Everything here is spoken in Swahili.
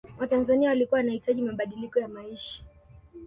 watanzania walikuwa wanahitaji mabadiliko ya maisha